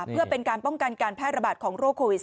เพื่อเป็นการป้องกันการแพร่ระบาดของโรคโควิด๑๙